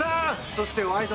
そして「ワイド！